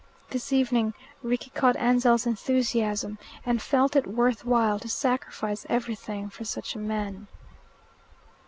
This evening Rickie caught Ansell's enthusiasm, and felt it worth while to sacrifice everything for such a man.